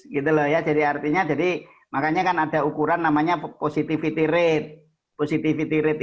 gitu loh ya jadi artinya jadi makanya kan ada ukuran namanya positivity rate positivity rate